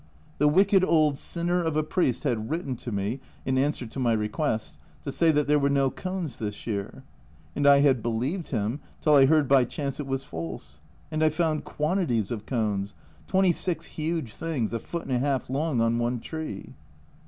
The wicked old sinner of a priest had written to me, in answer to my requests, to say that there were no cones this year, and I had believed him till I heard by chance it was false. And I found quantities of cones twenty six huge things, a foot and a half long, on one tree